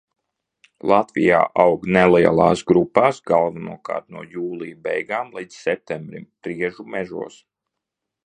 Latvijā aug nelielās grupās galvenokārt no jūlija beigām līdz septembrim priežu mežos.